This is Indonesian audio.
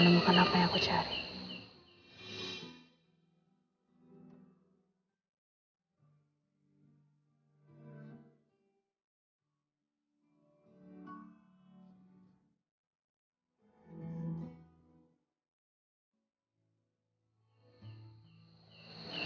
aku minta kapal harus loudly bilang sekali gitu